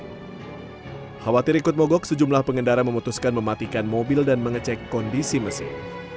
khawatir ikut mogok sejumlah pengendara memutuskan mematikan mobil dan mengecek kondisi mesin